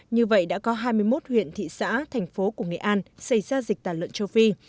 như vậy đã có hai mươi một huyện thị xã thành phố của nghệ an xảy ra dịch tả lợn châu phi